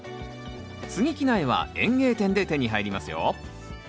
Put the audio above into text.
つぎ木苗は園芸店で手に入りますよ。